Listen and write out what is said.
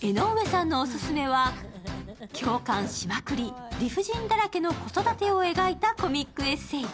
江上さんのオススメは共感しまくり、理不尽だらけの子育てを描いたコミックエッセー。